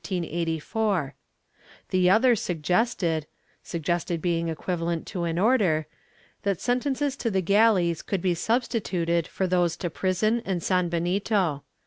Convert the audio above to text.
* The other suggested — suggestion being equivalent to an order — that sentences to the galleys could be substituted for those to prison and sanbenito.